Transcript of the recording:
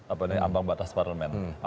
apa ini ambang batas parmen